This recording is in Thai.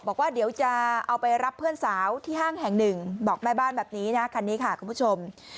บอกว่าเดี๋ยวจะเอาไปรับเพื่อนสาวที่ห้างแห่งหนึ่งบอกแม่บ้านแบบนี้นะคันนี้ค่ะคุณผู้ชม